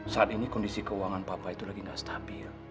saat ini kondisi keuangan papa itu lagi tidak stabil